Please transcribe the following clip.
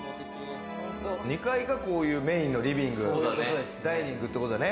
２階がこういうメインのリビングダイニングってことだね。